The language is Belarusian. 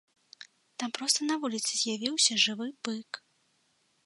Там проста на вуліцы з'явіўся жывы бык.